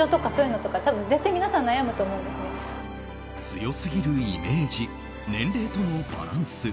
強すぎるイメージ年齢とのバランス。